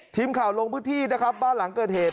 ทีมข่าวลงพื้นที่นะครับบ้านหลังเกิดเหตุ